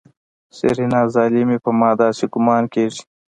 سېرېنا ظالمې په ما داسې ګومان کېږي.